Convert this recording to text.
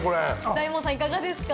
大門さん、いかがですか？